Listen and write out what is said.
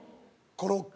コロッケ。